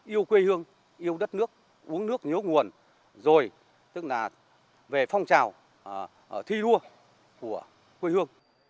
yêu quê hương yêu đất nước uống nước nhớ nguồn rồi tức là về phong trào thi đua của quê hương